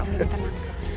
om ya tenang